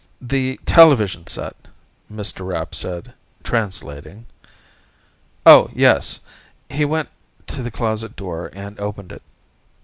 "The television set," Mr. Rapp said, translating. "Oh, yes." He went to the closet door and opened it.